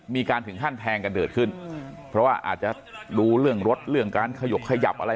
ถึงขั้นแทงกันเกิดขึ้นเพราะว่าอาจจะดูเรื่องรถเรื่องการขยบขยับอะไร